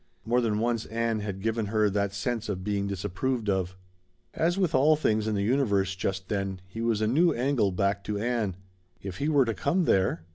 More than once Ann had given her that sense of being disapproved of. As with all things in the universe just then, he was a new angle back to Ann. If he were to come there